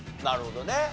なるほどね。